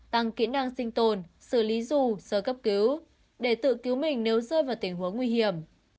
tăng kỹ năng sinh tồn xử lý rù sơ cấp cứu để tự cứu mình nếu rơi vào tình huống nguy hiểm